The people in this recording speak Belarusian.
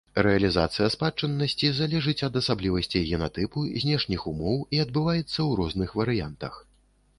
Рэалізацыя спадчыннасці залежыць ад асаблівасцей генатыпу, знешніх умоў і адбываецца ў розных варыянтах.